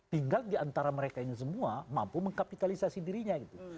tinggal di antara mereka yang semua mampu mengkapitalisasi dirinya gitu